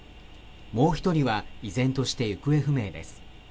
もう１人は依然として行方不明です。